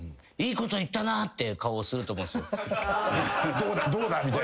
どうだどうだみたいな。